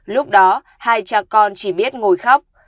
lúc đó hai cha con chỉ biết ngồi khóc